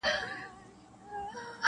• يوه ورځ ابليس راټول كړل اولادونه -